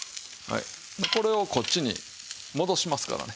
これをこっちに戻しますからね。